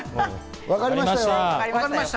わかりましたよ。